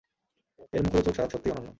এর মুখরোচক স্বাদ সত্যিই অনন্য।